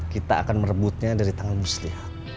kita akan merebutnya dari tangan muslihat